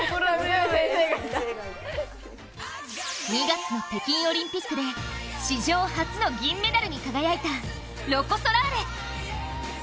２月の北京オリンピックで史上初の銀メダルに輝いたロコ・ソラーレ。